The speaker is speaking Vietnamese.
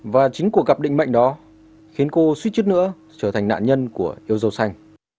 và chính cuộc gặp định mạnh đó khiến cô suýt chút nữa trở thành nạn nhân của yêu dâu xanh